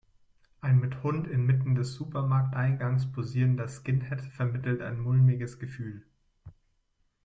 Ein mit Hund inmitten des Supermarkteingangs posierender Skinhead vermittelt ein mulmiges Gefühl.